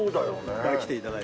いっぱい来て頂いて。